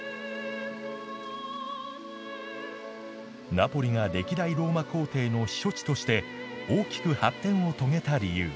ナポリが歴代ローマ皇帝の避暑地として大きく発展を遂げた理由。